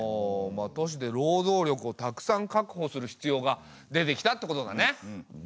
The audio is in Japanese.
都市で労働力をたくさん確保する必要が出てきたってことだね。